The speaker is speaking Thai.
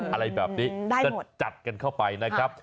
อะไรแบบนี้ก็จัดกันเข้าไปนะครับ